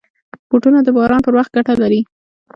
بوټونه د باران پر وخت ګټه لري.